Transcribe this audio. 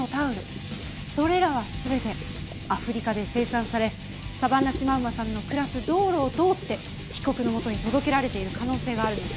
それらは全てアフリカで生産されサバンナシマウマさんの暮らす道路を通って被告のもとに届けられている可能性があるのです。